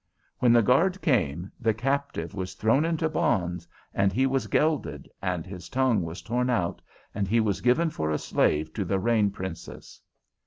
When the guard came, the Captive was thrown into bonds, and he was gelded, and his tongue was torn out, and he was given for a slave to the Rain Princess.